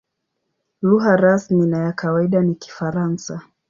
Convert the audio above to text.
Lugha rasmi na ya kawaida ni Kifaransa.